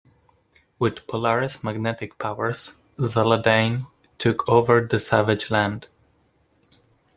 With Polaris' magnetic powers, Zaladane took over the Savage Land.